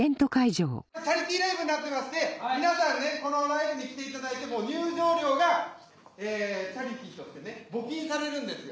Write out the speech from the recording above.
チャリティーライブになってまして皆さんこのライブに来ていただいても入場料がチャリティーとして募金されるんですよ。